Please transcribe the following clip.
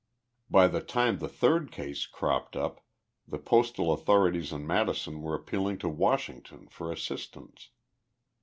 By the time the third case cropped up the postal authorities in Madison were appealing to Washington for assistance.